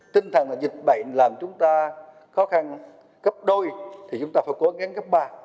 tinh thần dịch bệnh làm chúng ta khó khăn cấp đôi thì chúng ta phải cố gắng cấp ba